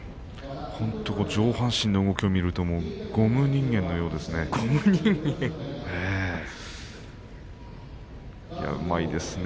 上半身の動きを見るとゴム人間のようですね。